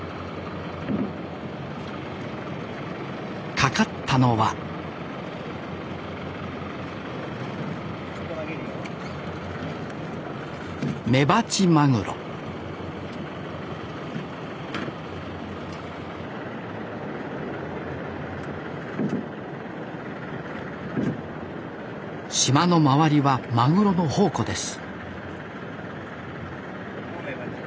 かかったのはメバチマグロ島の周りはマグロの宝庫です